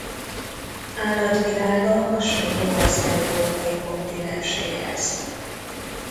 Állatvilága hasonló az európai kontinenséhez.